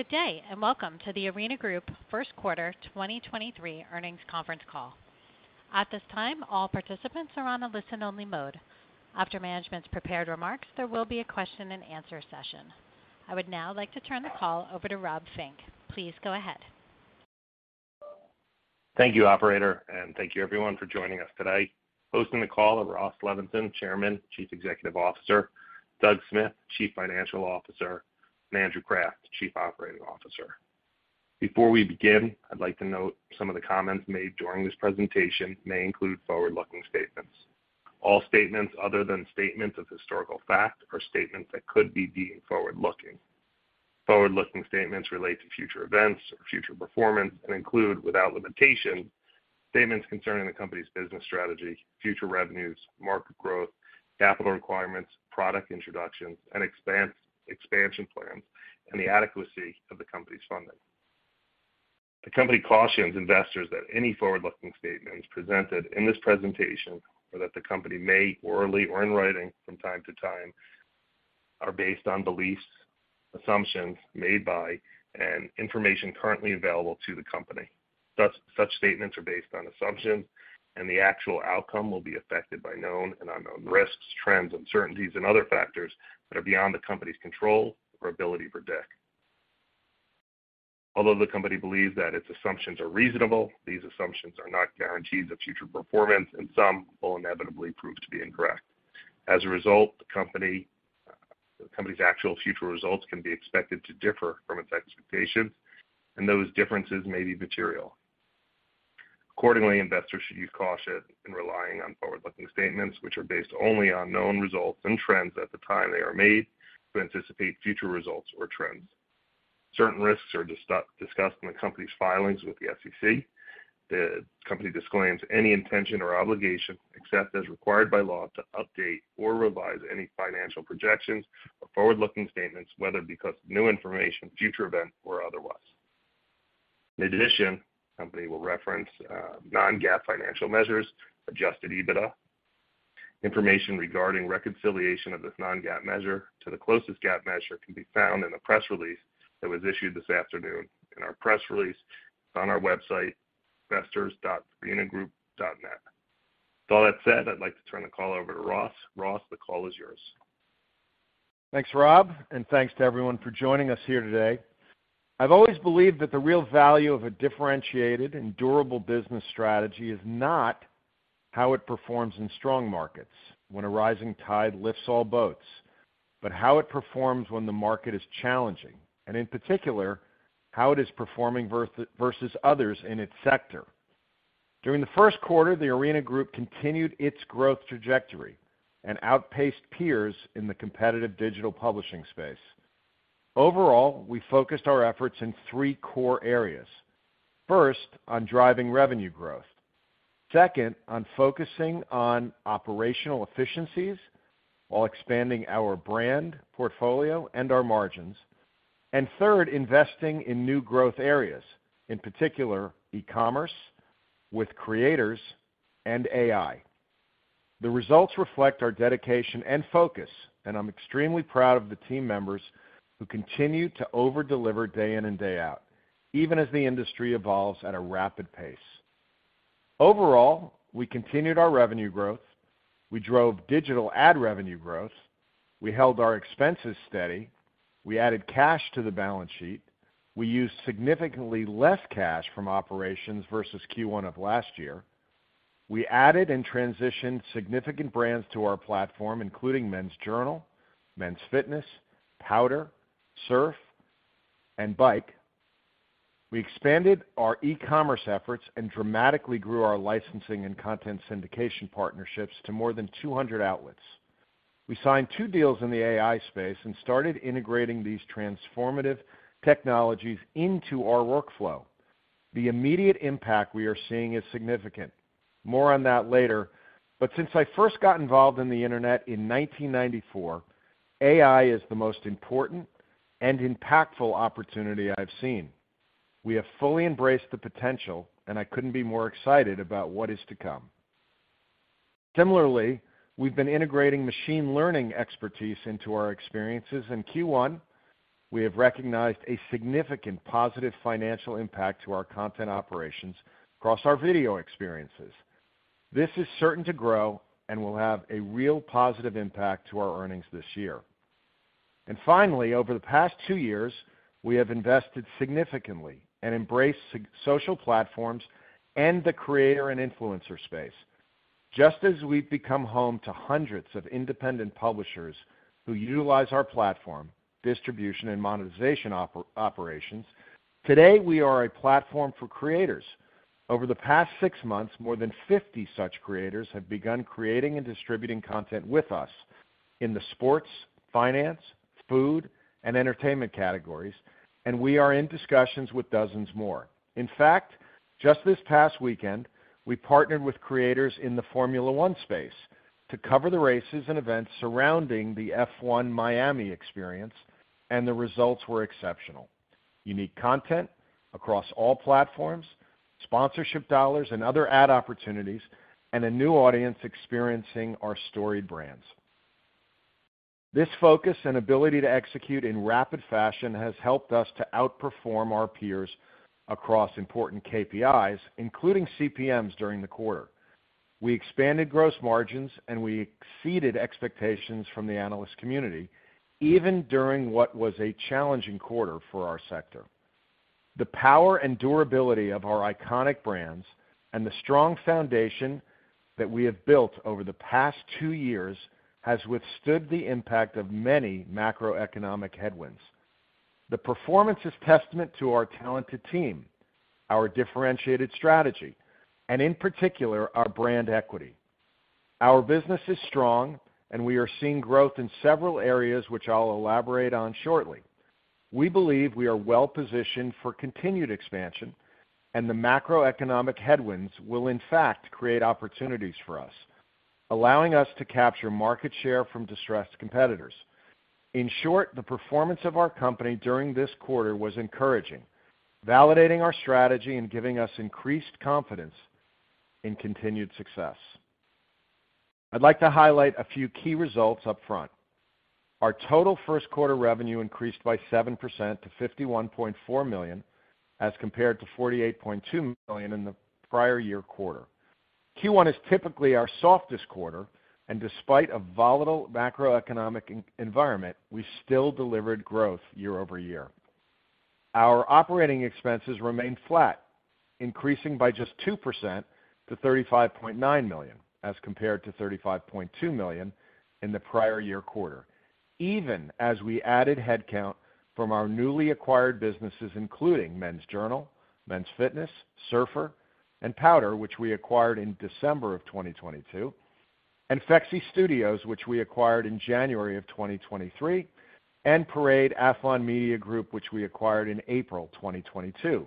Good day. Welcome to The Arena Group first quarter 2023 earnings conference call. At this time, all participants are on a listen-only mode. After management's prepared remarks, there will be a question-and-answer session. I would now like to turn the call over to Rob Fink. Please go ahead. Thank you, operator, thank you everyone for joining us today. Hosting the call are Ross Levinsohn, Chairman, Chief Executive Officer, Doug Smith, Chief Financial Officer, and Andrew Kraft, Chief Operating Officer. Before we begin, I'd like to note some of the comments made during this presentation may include forward-looking statements. All statements other than statements of historical fact are statements that could be deemed forward-looking. Forward-looking statements relate to future events or future performance and include, without limitation, statements concerning the company's business strategy, future revenues, market growth, capital requirements, product introductions, and expansion plans, and the adequacy of the company's funding. The company cautions investors that any forward-looking statements presented in this presentation or that the company may, orally or in writing from time to time, are based on beliefs, assumptions made by, and information currently available to the company. Thus, such statements are based on assumptions, and the actual outcome will be affected by known and unknown risks, trends, uncertainties, and other factors that are beyond the company's control or ability to predict. Although the company believes that its assumptions are reasonable, these assumptions are not guarantees of future performance, and some will inevitably prove to be incorrect. As a result, the company's actual future results can be expected to differ from its expectations, and those differences may be material. Accordingly, investors should use caution in relying on forward-looking statements, which are based only on known results and trends at the time they are made to anticipate future results or trends. Certain risks are discussed in the company's filings with the SEC. The company disclaims any intention or obligation, except as required by law, to update or revise any financial projections or forward-looking statements, whether because of new information, future events, or otherwise. In addition, the company will reference non-GAAP financial measures, adjusted EBITDA. Information regarding reconciliation of this non-GAAP measure to the closest GAAP measure can be found in the press release that was issued this afternoon. Our press release is on our website, investors.arenagroup.net. With all that said, I'd like to turn the call over to Ross. Ross, the call is yours. Thanks, Rob. Thanks to everyone for joining us here today. I've always believed that the real value of a differentiated and durable business strategy is not how it performs in strong markets when a rising tide lifts all boats, but how it performs when the market is challenging, and in particular, how it is performing versus others in its sector. During the first quarter, The Arena Group continued its growth trajectory and outpaced peers in the competitive digital publishing space. Overall, we focused our efforts in three core areas. First, on driving revenue growth. Second, on focusing on operational efficiencies while expanding our brand portfolio and our margins. Third, investing in new growth areas, in particular e-commerce with creators and AI. The results reflect our dedication and focus, and I'm extremely proud of the team members who continue to over-deliver day in and day out, even as the industry evolves at a rapid pace. Overall, we continued our revenue growth. We drove digital ad revenue growth. We held our expenses steady. We added cash to the balance sheet. We used significantly less cash from operations versus Q1 of last year. We added and transitioned significant brands to our platform, including Men's Journal, Men's Fitness, Powder, Surf, and Bike. We expanded our e-commerce efforts and dramatically grew our licensing and content syndication partnerships to more than 200 outlets. We signed two deals in the AI space and started integrating these transformative technologies into our workflow. The immediate impact we are seeing is significant. More on that later. Since I first got involved in the internet in 1994, AI is the most important and impactful opportunity I've seen. We have fully embraced the potential, and I couldn't be more excited about what is to come. Similarly, we've been integrating machine learning expertise into our experiences. In Q1, we have recognized a significant positive financial impact to our content operations across our video experiences. This is certain to grow and will have a real positive impact to our earnings this year. Finally, over the past 2 years, we have invested significantly and embraced social platforms and the creator and influencer space. Just as we've become home to hundreds of independent publishers who utilize our platform, distribution, and monetization operations, today, we are a platform for creators. Over the past six months, more than 50 such creators have begun creating and distributing content with us in the sports, finance, food, and entertainment categories. We are in discussions with dozens more. In fact, just this past weekend, we partnered with creators in the Formula One space to cover the races and events surrounding the F1 Miami experience. The results were exceptional. Unique content across all platforms, sponsorship dollars and other ad opportunities, and a new audience experiencing our storied brands. This focus and ability to execute in rapid fashion has helped us to outperform our peers across important KPIs, including CPMs during the quarter. We expanded gross margins. We exceeded expectations from the analyst community even during what was a challenging quarter for our sector. The power and durability of our iconic brands and the strong foundation that we have built over the past 2 years has withstood the impact of many macroeconomic headwinds. The performance is testament to our talented team, our differentiated strategy, and in particular, our brand equity. Our business is strong, and we are seeing growth in several areas, which I'll elaborate on shortly. We believe we are well-positioned for continued expansion, and the macroeconomic headwinds will in fact create opportunities for us, allowing us to capture market share from distressed competitors. In short, the performance of our company during this quarter was encouraging, validating our strategy and giving us increased confidence in continued success. I'd like to highlight a few key results up front. Our total first quarter revenue increased by 7% to $51.4 million, as compared to $48.2 million in the prior year quarter. Q1 is typically our softest quarter, and despite a volatile macroeconomic environment, we still delivered growth year-over-year. Our operating expenses remained flat, increasing by just 2% to $35.9 million as compared to $35.2 million in the prior year quarter, even as we added headcount from our newly acquired businesses, including Men's Journal, Men's Fitness, Surfer, and Powder, which we acquired in December 2022, and Fexy Studios, which we acquired in January 2023, and Parade Athlon Media Group, which we acquired in April 2022.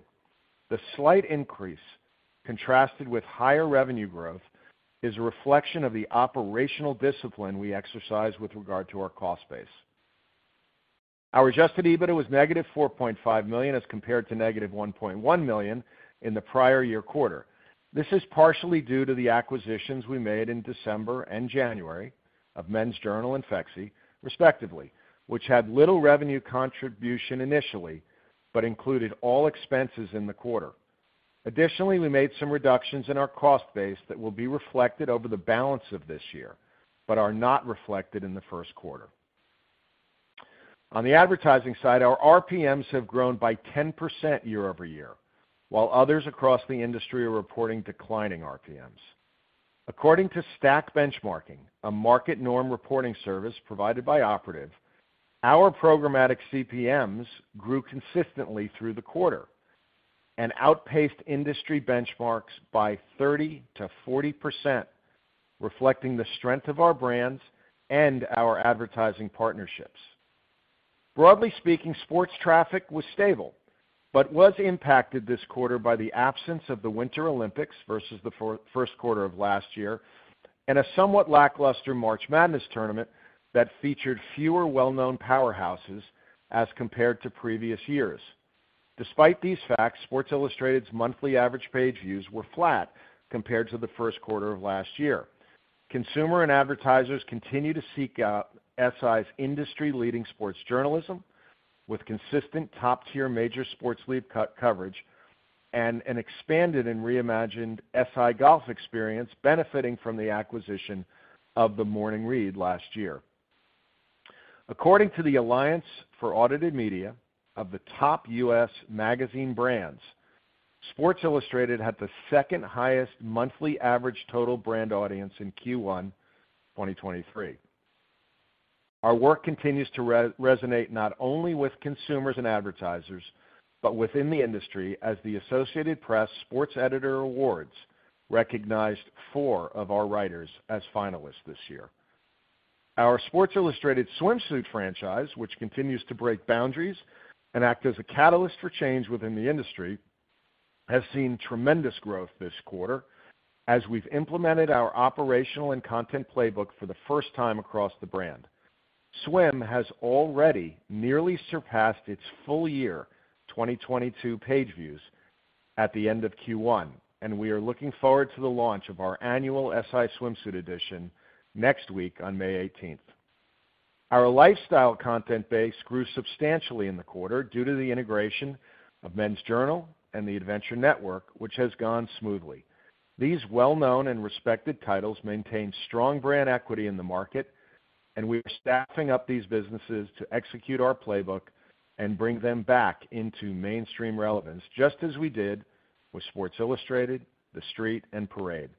The slight increase contrasted with higher revenue growth is a reflection of the operational discipline we exercise with regard to our cost base. Our adjusted EBITDA was negative $4.5 million as compared to negative $1.1 million in the prior year quarter. This is partially due to the acquisitions we made in December and January of Men's Journal and Fexy, respectively, which had little revenue contribution initially but included all expenses in the quarter. Additionally, we made some reductions in our cost base that will be reflected over the balance of this year, but are not reflected in the first quarter. On the advertising side, our RPMs have grown by 10% year-over-year, while others across the industry are reporting declining RPMs. According to STAQ Benchmarking, a market norm reporting service provided by Operative, our programmatic CPMs grew consistently through the quarter and outpaced industry benchmarks by 30%-40%, reflecting the strength of our brands and our advertising partnerships. Broadly speaking, sports traffic was stable, but was impacted this quarter by the absence of the Winter Olympics versus the first quarter of last year and a somewhat lackluster March Madness tournament that featured fewer well-known powerhouses as compared to previous years. Despite these facts, Sports Illustrated's monthly average page views were flat compared to the first quarter of last year. Consumer and advertisers continue to seek out SI's industry-leading sports journalism with consistent top-tier major sports league cut coverage and an expanded and reimagined SI golf experience benefiting from the acquisition of The Morning Read last year. According to the Alliance for Audited Media, of the top U.S. magazine brands, Sports Illustrated had the second-highest monthly average total brand audience in Q1 2023. Our work continues to re-resonate not only with consumers and advertisers, but within the industry as the Associated Press Sports Editors Awards recognized 4 of our writers as finalists this year. Our Sports Illustrated Swimsuit franchise, which continues to break boundaries and act as a catalyst for change within the industry, has seen tremendous growth this quarter as we've implemented our operational and content playbook for the first time across the brand. Swim has already nearly surpassed its full year 2022 page views at the end of Q1. We are looking forward to the launch of our annual SI Swimsuit edition next week on May 18th. Our lifestyle content base grew substantially in the quarter due to the integration of Men's Journal and the Adventure Network, which has gone smoothly. These well-known and respected titles maintain strong brand equity in the market. We are staffing up these businesses to execute our playbook and bring them back into mainstream relevance, just as we did with Sports Illustrated, TheStreet, and Parade.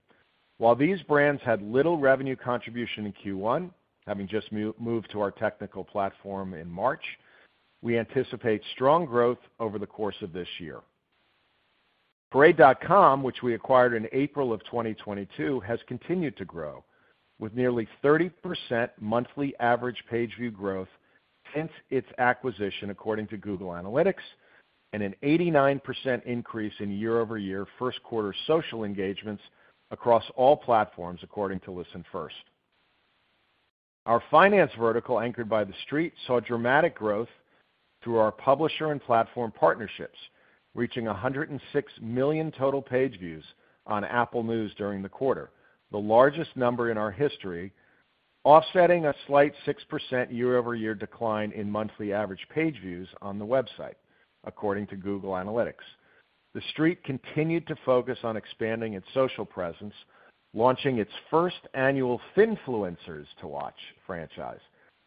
While these brands had little revenue contribution in Q1, having just moved to our technical platform in March, we anticipate strong growth over the course of this year. Parade.com, which we acquired in April of 2022, has continued to grow with nearly 30% monthly average page view growth since its acquisition, according to Google Analytics, and an 89% increase in year-over-year first quarter social engagements across all platforms, according to ListenFirst. Our finance vertical, anchored by TheStreet, saw dramatic growth through our publisher and platform partnerships, reaching 106 million total page views on Apple News during the quarter, the largest number in our history, offsetting a slight 6% year-over-year decline in monthly average page views on the website according to Google Analytics. TheStreet continued to focus on expanding its social presence, launching its first annual Finfluencers to Watch franchise,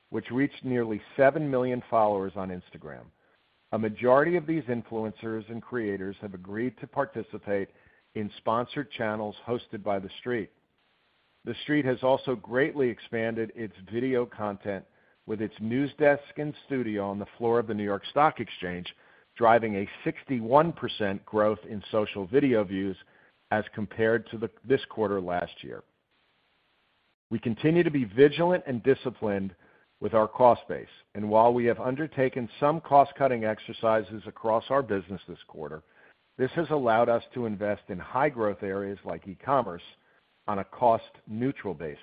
which reached nearly 7 million followers on Instagram. A majority of these influencers and creators have agreed to participate in sponsored channels hosted by TheStreet. TheStreet has also greatly expanded its video content with its news desk and studio on the floor of the New York Stock Exchange, driving a 61% growth in social video views as compared to this quarter last year. We continue to be vigilant and disciplined with our cost base. While we have undertaken some cost-cutting exercises across our business this quarter, this has allowed us to invest in high growth areas like e-commerce on a cost neutral basis.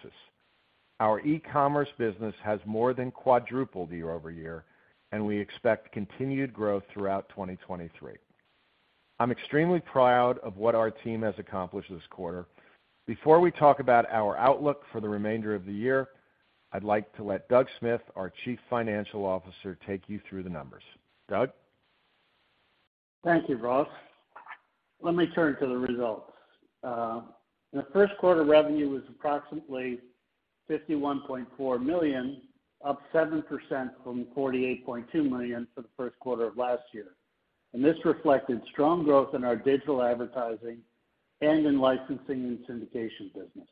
Our e-commerce business has more than quadrupled year-over-year. We expect continued growth throughout 2023. I'm extremely proud of what our team has accomplished this quarter. Before we talk about our outlook for the remainder of the year, I'd like to let Doug Smith, our Chief Financial Officer, take you through the numbers. Doug? Thank you, Ross. Let me turn to the results. The first quarter revenue was approximately $51.4 million, up 7% from $48.2 million for the first quarter of last year. This reflected strong growth in our digital advertising and in licensing and syndication business.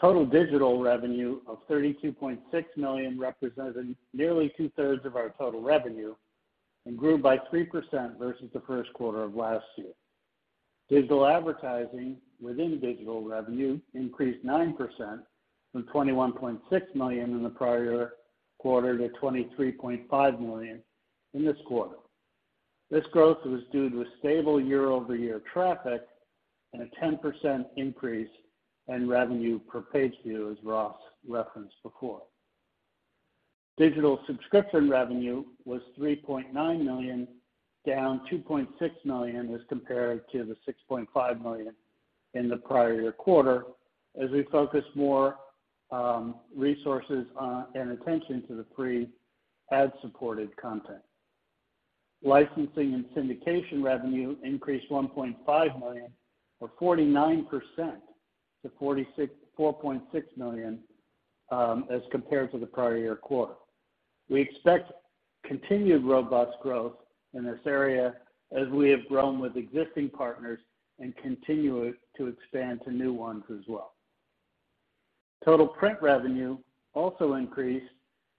Total digital revenue of $32.6 million represented nearly two-thirds of our total revenue and grew by 3% versus the first quarter of last year. Digital advertising within digital revenue increased 9% from $21.6 million in the prior quarter to $23.5 million in this quarter. This growth was due to a stable year-over-year traffic and a 10% increase in revenue per page view, as Ross referenced before. Digital subscription revenue was $3.9 million, down $2.6 million as compared to the $6.5 million in the prior year quarter as we focus more resources on and attention to the free ad-supported content. Licensing and syndication revenue increased $1.5 million or 49% to $4.6 million as compared to the prior year quarter. We expect continued robust growth in this area as we have grown with existing partners and continue to expand to new ones as well. Total print revenue also increased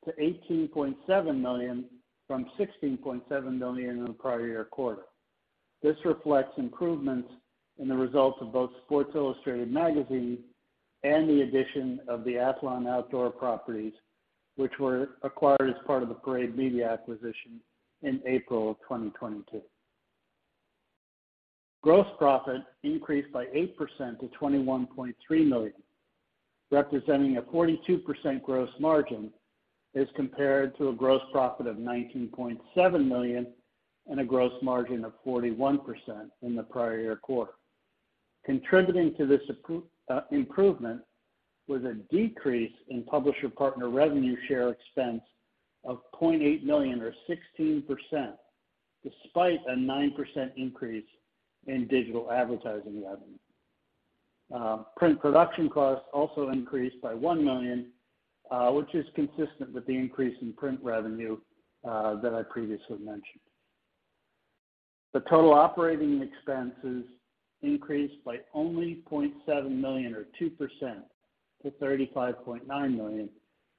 to $18.7 million from $16.7 million in the prior year quarter. This reflects improvements in the results of both Sports Illustrated Magazine and the addition of the Athlon Outdoors properties, which were acquired as part of the Parade Media acquisition in April of 2022. Gross profit increased by 8% to $21.3 million, representing a 42% gross margin as compared to a gross profit of $19.7 million and a gross margin of 41% in the prior year quarter. Contributing to this improvement was a decrease in publisher partner revenue share expense of $0.8 million or 16% despite a 9% increase in digital advertising revenue. Print production costs also increased by $1 million, which is consistent with the increase in print revenue that I previously mentioned. The total operating expenses increased by only $0.7 million or 2% to $35.9 million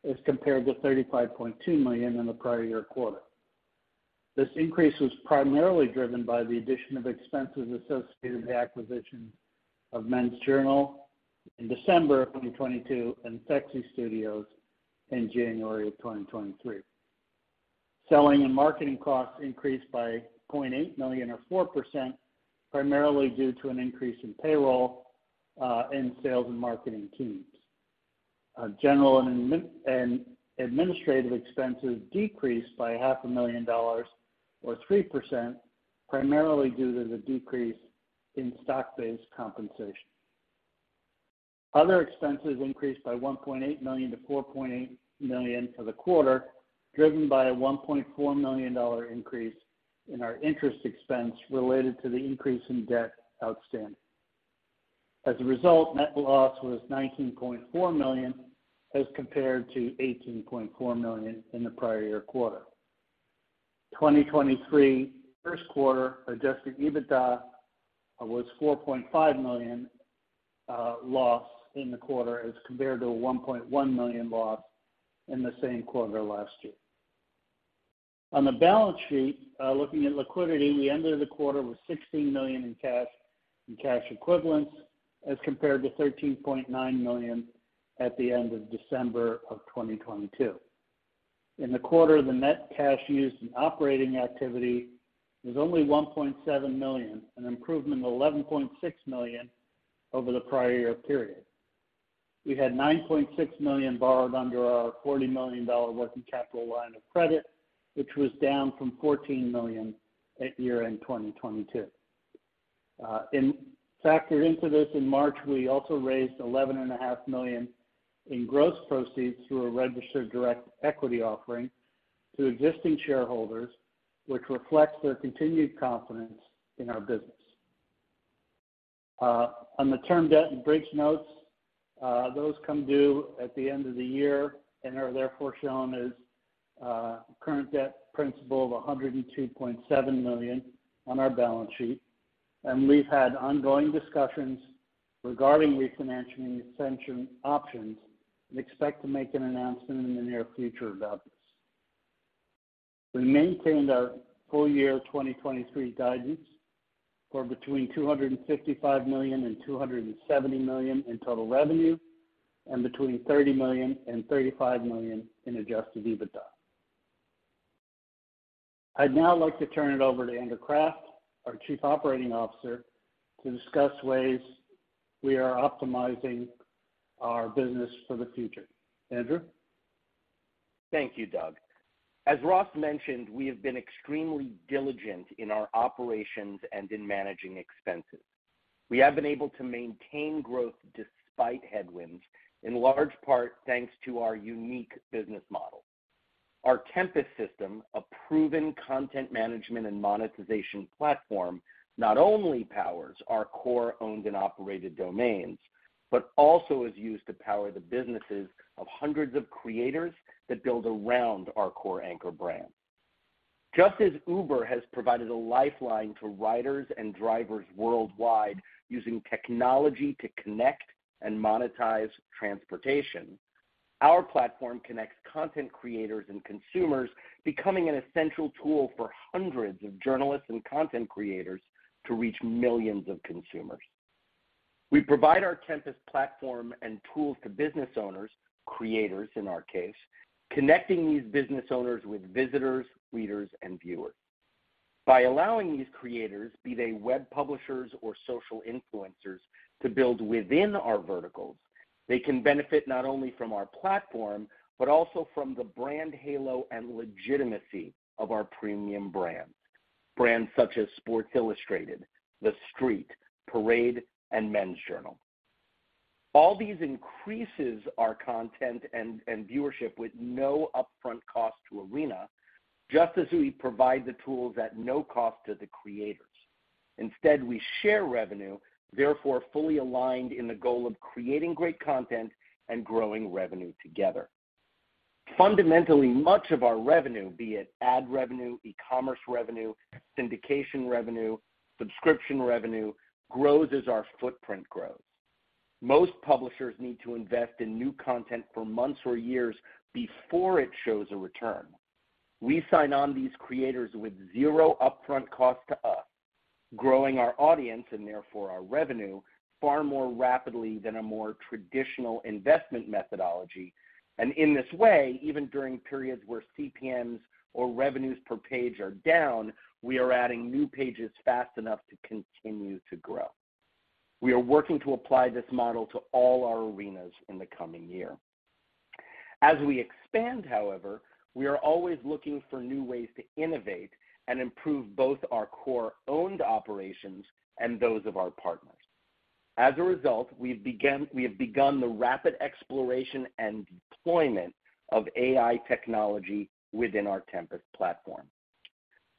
as compared to $35.2 million in the prior year quarter. This increase was primarily driven by the addition of expenses associated with the acquisition of Men's Journal in December of 2022 and Fexy Studios in January of 2023. Selling and marketing costs increased by $0.8 million or 4%, primarily due to an increase in payroll in sales and marketing teams. General and administrative expenses decreased by half a million dollars or 3%, primarily due to the decrease in stock-based compensation. Other expenses increased by $1.8 million to $4.8 million for the quarter, driven by a $1.4 million increase in our interest expense related to the increase in debt outstanding. As a result, net loss was $19.4 million as compared to $18.4 million in the prior year quarter. 2023 first quarter adjusted EBITDA was $4.5 million loss in the quarter as compared to a $1.1 million loss in the same quarter last year. On the balance sheet, looking at liquidity, we ended the quarter with $16 million in cash and cash equivalents as compared to $13.9 million at the end of December of 2022. In the quarter, the net cash used in operating activity was only $1.7 million, an improvement of $11.6 million over the prior year period. We had $9.6 million borrowed under our $40 million working capital line of credit, which was down from $14 million at year-end 2022. Factored into this, in March, we also raised $11 and a half million in gross proceeds through a registered direct equity offering to existing shareholders, which reflects their continued confidence in our business. On the term debt and bridge notes, those come due at the end of the year and are therefore shown as current debt principal of $102.7 million on our balance sheet. We've had ongoing discussions regarding refinancing extension options and expect to make an announcement in the near future about this. We maintained our full year 2023 guidance for between $255 million and $270 million in total revenue and between $30 million and $35 million in adjusted EBITDA. I'd now like to turn it over to Andrew Kraft, our Chief Operating Officer, to discuss ways we are optimizing our business for the future. Andrew? Thank you, Doug. As Ross mentioned, we have been extremely diligent in our operations and in managing expenses. We have been able to maintain growth despite headwinds, in large part, thanks to our unique business model. Our Tempus system, a proven content management and monetization platform, not only powers our core owned and operated domains, but also is used to power the businesses of hundreds of creators that build around our core anchor brand. Just as Uber has provided a lifeline to riders and drivers worldwide using technology to connect and monetize transportation, our platform connects content creators and consumers, becoming an essential tool for hundreds of journalists and content creators to reach millions of consumers. We provide our Tempus platform and tools to business owners, creators in our case, connecting these business owners with visitors, readers, and viewers. By allowing these creators, be they web publishers or social influencers, to build within our verticals, they can benefit not only from our platform, but also from the brand halo and legitimacy of our premium brands such as Sports Illustrated, TheStreet, Parade, and Men's Journal. All these increases our content and viewership with no upfront cost to Arena, just as we provide the tools at no cost to the creators. Instead, we share revenue, therefore fully aligned in the goal of creating great content and growing revenue together. Fundamentally, much of our revenue, be it ad revenue, e-commerce revenue, syndication revenue, subscription revenue, grows as our footprint grows. Most publishers need to invest in new content for months or years before it shows a return. We sign on these creators with zero upfront cost to us, growing our audience, and therefore our revenue, far more rapidly than a more traditional investment methodology. In this way, even during periods where CPMs or revenues per page are down, we are adding new pages fast enough to continue to grow. We are working to apply this model to all our arenas in the coming year. As we expand, however, we are always looking for new ways to innovate and improve both our core owned operations and those of our partners. As a result, we have begun the rapid exploration and deployment of AI technology within our Tempus platform.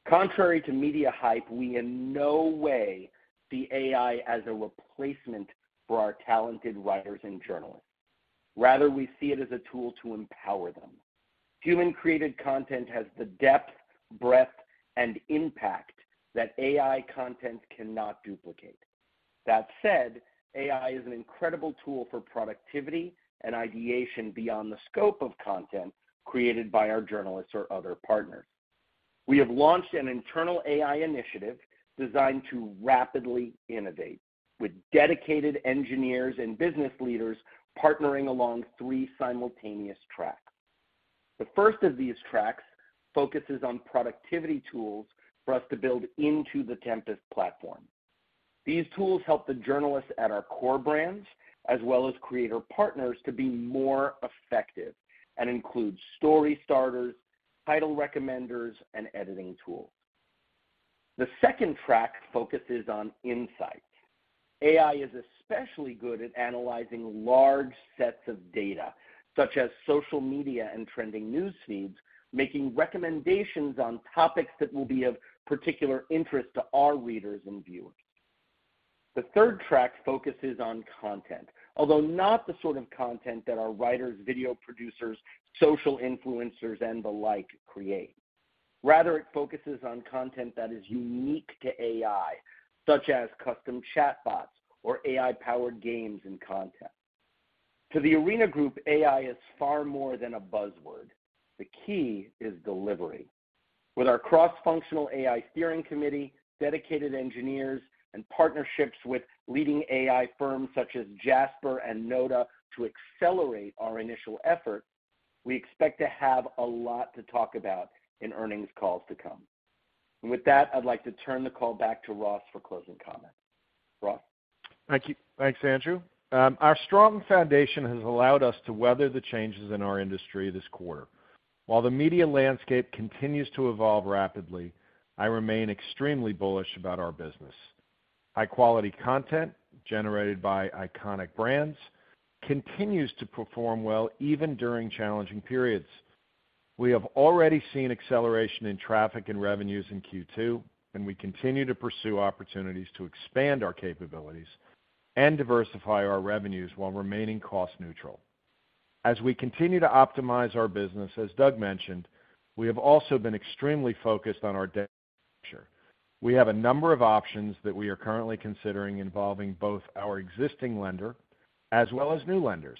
Contrary to media hype, we in no way see AI as a replacement for our talented writers and journalists. Rather, we see it as a tool to empower them. Human-created content has the depth, breadth, and impact that AI content cannot duplicate. That said, AI is an incredible tool for productivity and ideation beyond the scope of content created by our journalists or other partners. We have launched an internal AI initiative designed to rapidly innovate with dedicated engineers and business leaders partnering along three simultaneous tracks. The first of these tracks focuses on productivity tools for us to build into the Tempus platform. These tools help the journalists at our core brands, as well as creator partners, to be more effective and include story starters, title recommenders, and editing tools. The second track focuses on insight. AI is especially good at analyzing large sets of data, such as social media and trending news feeds, making recommendations on topics that will be of particular interest to our readers and viewers. The third track focuses on content, although not the sort of content that our writers, video producers, social influencers, and the like create. Rather, it focuses on content that is unique to AI, such as custom chatbots or AI-powered games and content. To The Arena Group, AI is far more than a buzzword. The key is delivery. With our cross-functional AI steering committee, dedicated engineers, and partnerships with leading AI firms such as Jasper and Nota to accelerate our initial effort, we expect to have a lot to talk about in earnings calls to come. With that, I'd like to turn the call back to Ross for closing comments. Ross? Thank you. Thanks, Andrew. Our strong foundation has allowed us to weather the changes in our industry this quarter. While the media landscape continues to evolve rapidly, I remain extremely bullish about our business. High-quality content generated by iconic brands continues to perform well even during challenging periods. We have already seen acceleration in traffic and revenues in Q2, and we continue to pursue opportunities to expand our capabilities and diversify our revenues while remaining cost neutral. As we continue to optimize our business, as Doug mentioned, we have also been extremely focused on our debt structure. We have a number of options that we are currently considering involving both our existing lender as well as new lenders,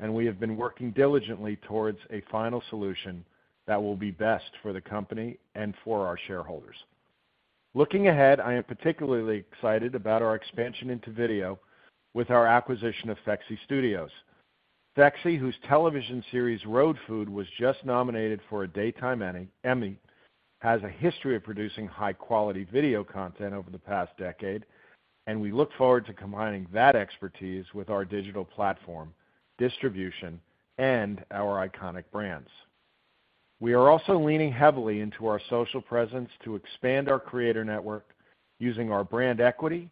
and we have been working diligently towards a final solution that will be best for the company and for our shareholders. Looking ahead, I am particularly excited about our expansion into video with our acquisition of Fexy Studios. Fexy, whose television series, Road Food, was just nominated for a Daytime Emmy, has a history of producing high-quality video content over the past decade. We look forward to combining that expertise with our digital platform, distribution, and our iconic brands. We are also leaning heavily into our social presence to expand our creator network using our brand equity,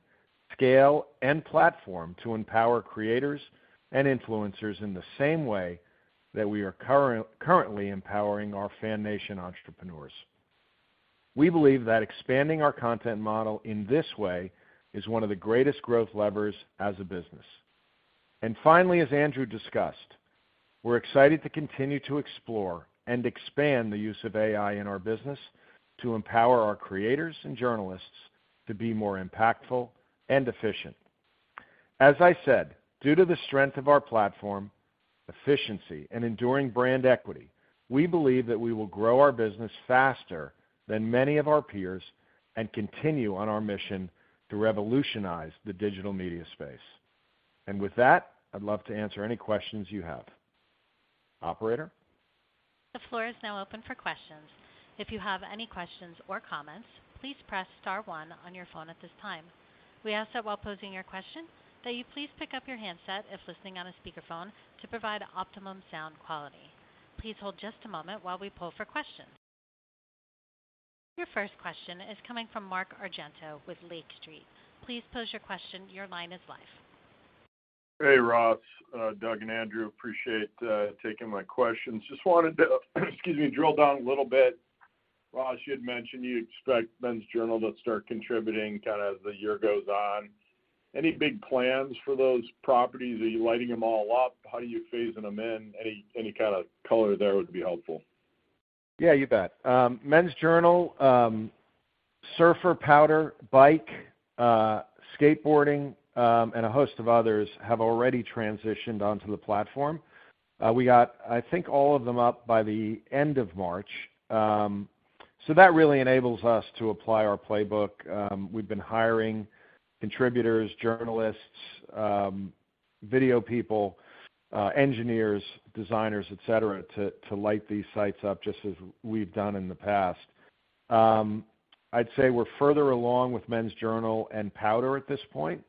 scale, and platform to empower creators and influencers in the same way that we are currently empowering our FanNation entrepreneurs. We believe that expanding our content model in this way is one of the greatest growth levers as a business. Finally, as Andrew discussed, we're excited to continue to explore and expand the use of AI in our business to empower our creators and journalists to be more impactful and efficient. As I said, due to the strength of our platform, efficiency, and enduring brand equity, we believe that we will grow our business faster than many of our peers and continue on our mission to revolutionize the digital media space. With that, I'd love to answer any questions you have. Operator? The floor is now open for questions. If you have any questions or comments, please press star one on your phone at this time. We ask that while posing your question, that you please pick up your handset if listening on a speakerphone to provide optimum sound quality. Please hold just a moment while we pull for questions. Your first question is coming from Mark Argento with Lake Street. Please pose your question. Your line is live. Hey, Ross, Doug, and Andrew. Appreciate taking my questions. Just wanted to, excuse me, drill down a little bit. Ross, you had mentioned you expect Men's Journal to start contributing kind of as the year goes on. Any big plans for those properties? Are you lighting them all up? How are you phasing them in? Any kind of color there would be helpful. Yeah, you bet. Men's Journal, Surfer, Powder, Bike, Skateboarding, and a host of others have already transitioned onto the platform. We got, I think, all of them up by the end of March. That really enables us to apply our playbook. We've been hiring contributors, journalists, video people, engineers, designers, et cetera, to light these sites up just as we've done in the past. I'd say we're further along with Men's Journal and Powder at this point,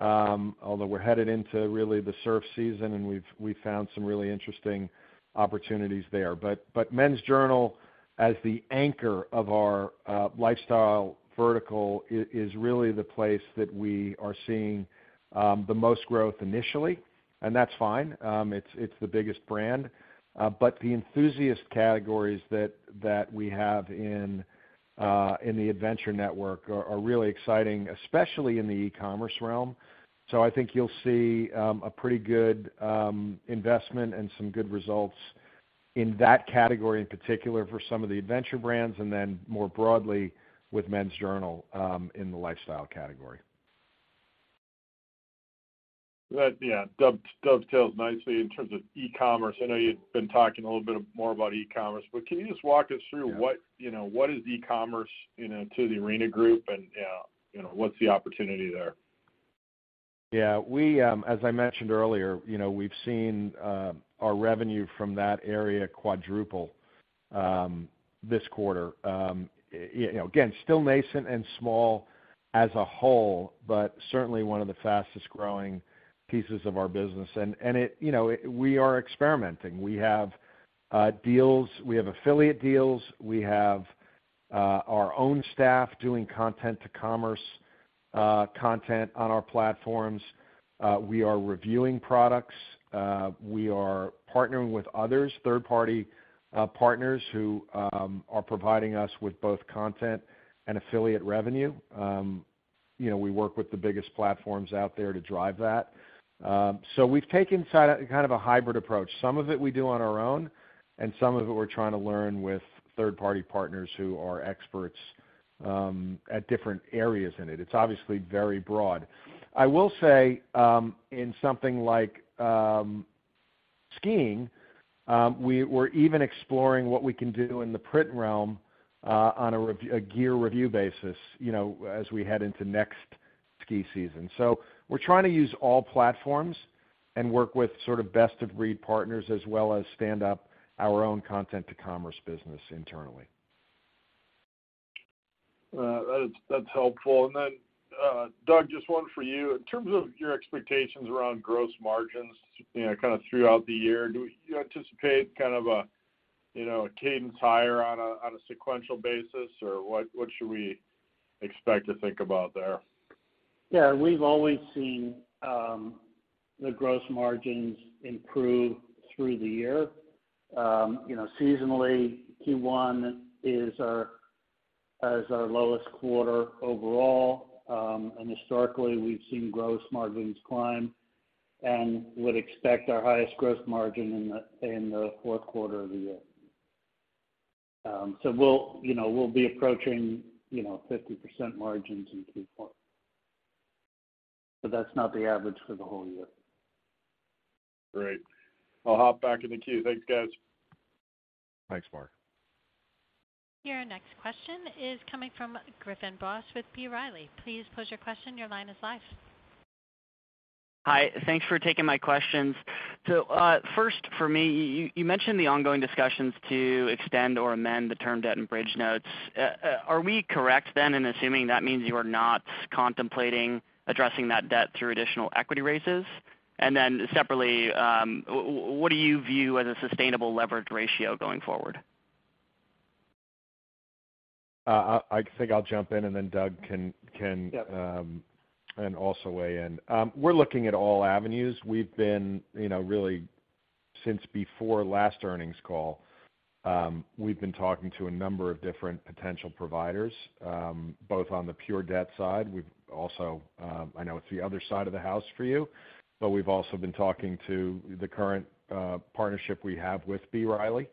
although we're headed into really the surf season, and we've found some really interesting opportunities there. Men's Journal, as the anchor of our lifestyle vertical is really the place that we are seeing the most growth initially, and that's fine. It's the biggest brand. The enthusiast categories that we have in the Adventure Network are really exciting, especially in the e-commerce realm. I think you'll see a pretty good investment and some good results in that category, in particular for some of the adventure brands, and then more broadly with Men's Journal in the lifestyle category. That, yeah, dovetails nicely in terms of e-commerce. I know you've been talking a little bit more about e-commerce, can you just walk us through? Yeah. What, you know, what is e-commerce, you know, to The Arena Group and, you know, what's the opportunity there? Yeah, we, as I mentioned earlier, you know, we've seen our revenue from that area quadruple this quarter. You know, again, still nascent and small as a whole, but certainly one of the fastest-growing pieces of our business. It, you know, we are experimenting. We have deals, we have affiliate deals, we have our own staff doing content to commerce content on our platforms. We are reviewing products. We are partnering with others, third-party partners who are providing us with both content and affiliate revenue. You know, we work with the biggest platforms out there to drive that. We've taken kind of a hybrid approach. Some of it we do on our own, and some of it we're trying to learn with third-party partners who are experts at different areas in it. It's obviously very broad. I will say, in something like, skiing, we're even exploring what we can do in the print realm, on a gear review basis, you know, as we head into next ski season. We're trying to use all platforms and work with sort of best-of-breed partners as well as stand up our own content-to-commerce business internally. That's helpful. Then, Doug, just one for you. In terms of your expectations around gross margins, you know, kind of throughout the year, do you anticipate kind of a, you know, a cadence higher on a, on a sequential basis? Or what should we expect to think about there? Yeah, we've always seen the gross margins improve through the year. You know, seasonally, Q1 is our lowest quarter overall. Historically, we've seen gross margins climb and would expect our highest gross margin in the fourth quarter of the year. We'll, you know, we'll be approaching, you know, 50% margins in Q4. That's not the average for the whole year. Great. I'll hop back in the queue. Thanks, guys. Thanks, Mark. Your next question is coming from Griffin Boss with B. Riley. Please pose your question. Your line is live. Hi. Thanks for taking my questions. First for me, you mentioned the ongoing discussions to extend or amend the term debt and bridge notes. Are we correct in assuming that means you are not contemplating addressing that debt through additional equity raises? Separately, what do you view as a sustainable leverage ratio going forward? I think I'll jump in and then Doug. Yep. Also weigh in. We're looking at all avenues. We've been, you know, really since before last earnings call, we've been talking to a number of different potential providers, both on the pure debt side. We've also, I know it's the other side of the house for you, but we've also been talking to the current partnership we have with B. Riley,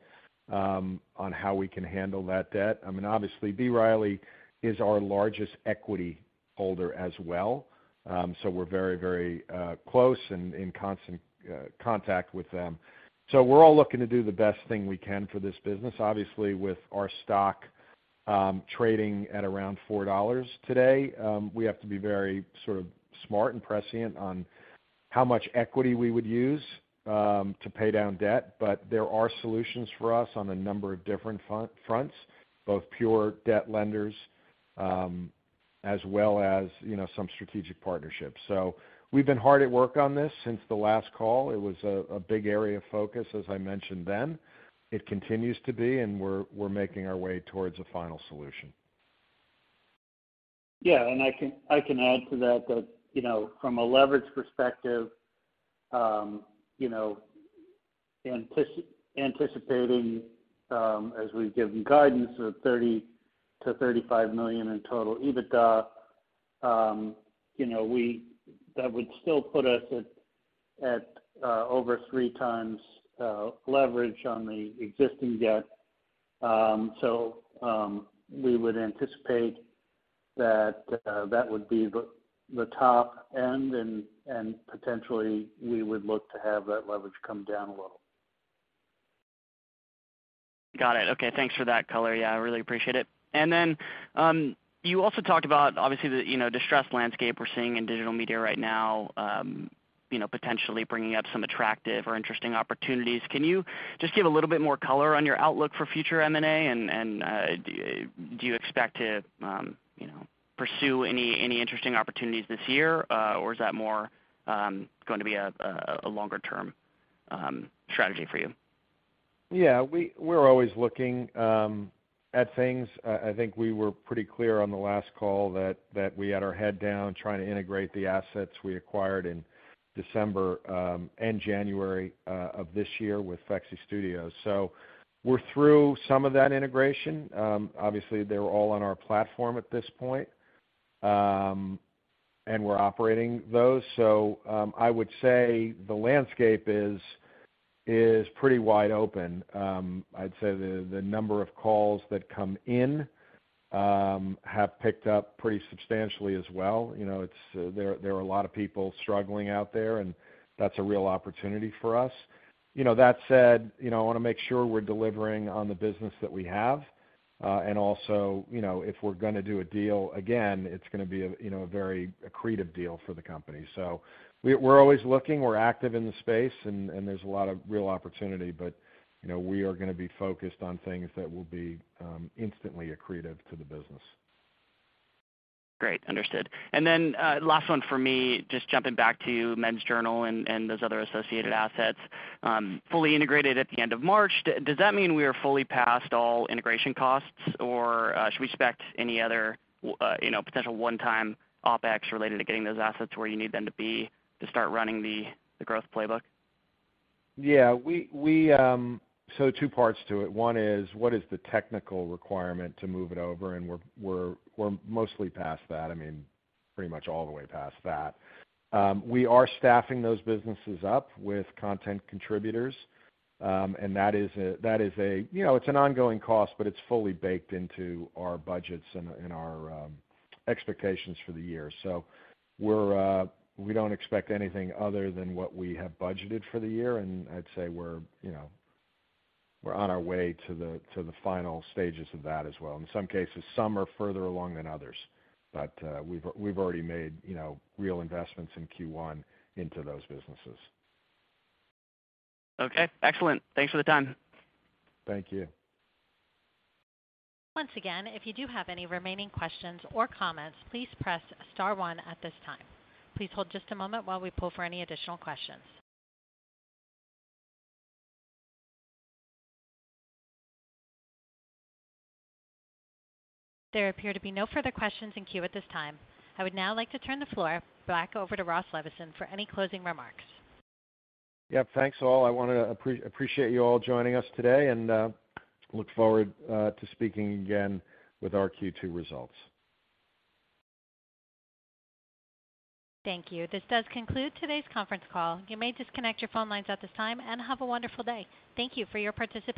on how we can handle that debt. I mean, obviously B. Riley is our largest equity holder as well, so we're very, very close and in constant contact with them. We're all looking to do the best thing we can for this business. Obviously, with our stock, trading at around $4 today, we have to be very sort of smart and prescient on how much equity we would use to pay down debt. There are solutions for us on a number of different fronts, both pure debt lenders, as well as you know, some strategic partnerships. We've been hard at work on this since the last call. It was a big area of focus, as I mentioned then. It continues to be, and we're making our way towards a final solution. I can add to that, you know, from a leverage perspective, anticipating, as we've given guidance of $30 million-$35 million in total EBITDA, that would still put us at over 3 times leverage on the existing debt. We would anticipate that would be the top end and potentially we would look to have that leverage come down a little. Got it. Okay, thanks for that color. Yeah, I really appreciate it. You also talked about obviously the, you know, distressed landscape we're seeing in digital media right now, you know, potentially bringing up some attractive or interesting opportunities. Can you just give a little bit more color on your outlook for future M&A? Do you expect to, you know, pursue any interesting opportunities this year, or is that more going to be a longer-term strategy for you? Yeah, we're always looking at things. I think we were pretty clear on the last call that we had our head down trying to integrate the assets we acquired in December and January of this year with Fexy Studios. We're through some of that integration. Obviously, they're all on our platform at this point, and we're operating those. I would say the landscape is pretty wide open. I'd say the number of calls that come in have picked up pretty substantially as well. You know, it's, there are a lot of people struggling out there, and that's a real opportunity for us. You know, that said, you know, I wanna make sure we're delivering on the business that we have. Also, you know, if we're gonna do a deal, again, it's gonna be a, you know, a very accretive deal for the company. We, we're always looking, we're active in the space and there's a lot of real opportunity. You know, we are gonna be focused on things that will be instantly accretive to the business. Great. Understood. Last one for me. Just jumping back to Men's Journal and those other associated assets, fully integrated at the end of March. Does that mean we are fully past all integration costs, or should we expect any other, you know, potential one-time OpEx related to getting those assets where you need them to be to start running the growth playbook? Two parts to it. One is, what is the technical requirement to move it over? We're mostly past that. I mean, pretty much all the way past that. We are staffing those businesses up with content contributors, and that is a, you know, it's an ongoing cost, but it's fully baked into our budgets and our expectations for the year. We don't expect anything other than what we have budgeted for the year, and I'd say we're, you know, we're on our way to the final stages of that as well. In some cases, some are further along than others, but we've already made, you know, real investments in Q1 into those businesses. Okay, excellent. Thanks for the time. Thank you. Once again, if you do have any remaining questions or comments, please press star one at this time. Please hold just a moment while we pull for any additional questions. There appear to be no further questions in queue at this time. I would now like to turn the floor back over to Ross Levinsohn for any closing remarks. Yeah. Thanks, all. I wanna appreciate you all joining us today and look forward to speaking again with our Q2 results Thank you. This does conclude today's conference call. You may disconnect your phone lines at this time, and have a wonderful day. Thank you for your participation.